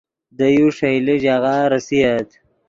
دے یو ݰئیلے ژاغہ ریسییت